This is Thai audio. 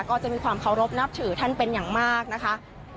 ก็จะมีความเคารพนับถือท่านเป็นอย่างมากนะคะ